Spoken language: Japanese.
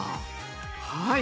はい。